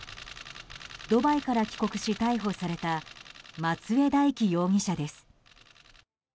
ドバイから帰国し逮捕された松江大樹容疑者です。